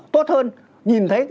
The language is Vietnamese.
tốt hơn nhìn thấy